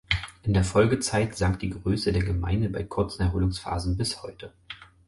In der Folgezeit sank die Größe der Gemeinde bei kurzen Erholungsphasen bis heute.